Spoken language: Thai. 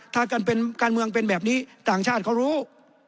ถ้าการเมืองเป็นแบบนี้ต่างชาติเขารู้